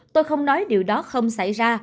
tôi không nói điều đó không xảy ra